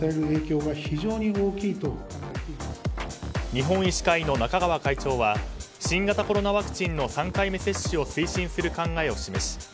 日本医師会の中川会長は新型コロナワクチンの３回目接種を推進する考えを示し